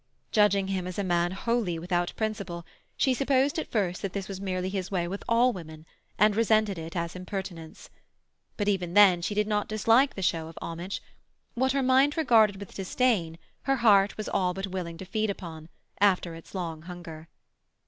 Judging him as a man wholly without principle, she supposed at first that this was merely his way with all women, and resented it as impertinence. But even then she did not dislike the show of homage; what her mind regarded with disdain, her heart was all but willing to feed upon, after its long hunger.